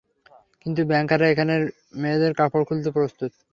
কিন্তু ব্যাংকাররা এখানের মেয়েদের কাপড় খুলতে প্রস্তুত?